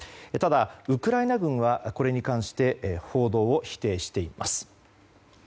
ただ、ウクライナ軍はこれに関して報道を否定しています。